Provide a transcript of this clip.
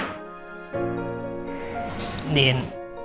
kamu akan merasa lebih baik